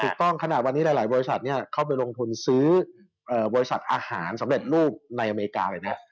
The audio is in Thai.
ใช่ค่อยต้องขณะวันนี้หลายบริษัทเข้าไปลงทุนซื้อบริษัทอาหารสำเร็จรูปในอเมริกาไปเนี่ย